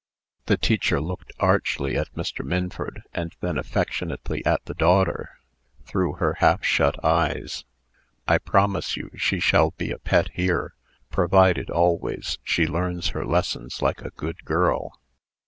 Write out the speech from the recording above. The teacher looked archly at Mr. Minford, and then affectionately at the daughter, through her half shut eyes. "I promise you she shall be a pet here, provided, always, she learns her lessons like a good girl.